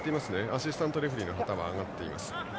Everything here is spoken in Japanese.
アシスタントレフリーの旗が上がりました。